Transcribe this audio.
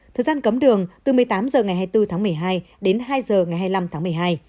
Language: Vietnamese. thời gian cấm đường từ một mươi tám h ngày hai mươi bốn tháng một mươi hai đến hai h ngày hai mươi năm tháng một mươi hai